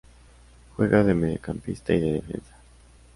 Juega de mediocampista y de defensa.